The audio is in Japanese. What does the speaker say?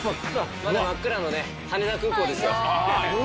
まだ真っ暗の羽田空港ですよ。